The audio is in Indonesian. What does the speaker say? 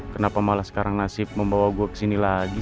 kenapa malah sekarang nasib membawa gue ke sini lagi